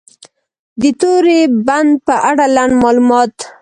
د توری بند په اړه لنډ معلومات: